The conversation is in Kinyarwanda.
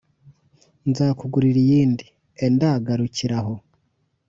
nzakugurira iyindi, enda garukira aho.’